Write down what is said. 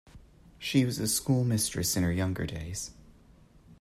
She was a schoolmistress in her younger days.